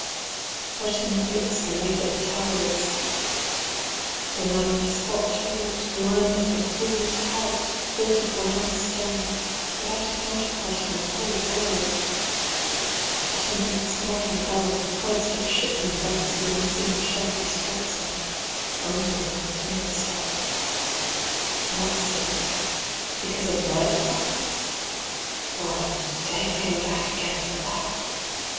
180 What in the midst lay but the Tower itself? The round squat turret, blind as the fool's heart, Built of brown stone, without a counterpart In the whole world. The tempest's mocking elf Points to the shipman thus the unseen shelf 185 He strikes on, only when the timbers start. Not see? because of night perhaps? why, day Came back again for that!